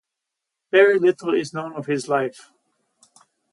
Very little is known of his life.